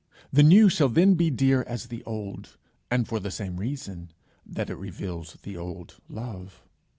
The new shall then be dear as the old, and for the same reason, that it reveals the old love.